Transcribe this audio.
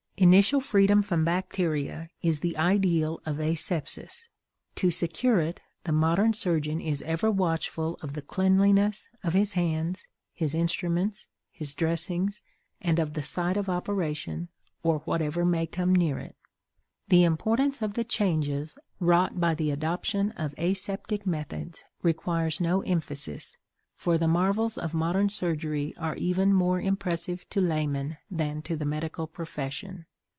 Initial freedom from bacteria is the ideal of asepsis; to secure it, the modern surgeon is ever watchful of the cleanliness of his hands, his instruments, his dressings, and of the site of operation or whatever may come near it. The importance of the changes wrought by the adoption of aseptic methods requires no emphasis, for the marvels of modern surgery are even more impressive to laymen than to the medical profession.